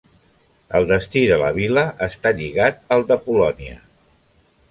El destí de la vila està lligat al de Polònia.